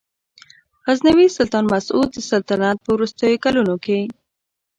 غزنوي سلطان مسعود د سلطنت په وروستیو کلونو کې.